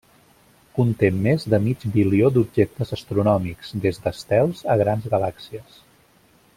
Conté més de mig bilió d'objectes astronòmics, des d'estels a grans galàxies.